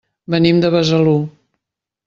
Venim de Besalú.